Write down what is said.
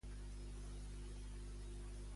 Sabries trobar els autobusos que van cap a Jerez?